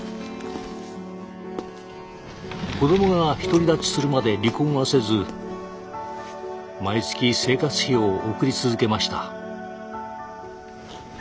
子どもが独り立ちするまで離婚はせず毎月生活費を送り続けました。